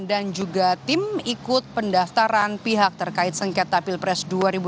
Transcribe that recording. dan juga tim ikut pendaftaran pihak terkait sengketa pilpres dua ribu dua puluh empat